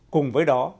cùng với đó